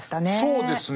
そうですね。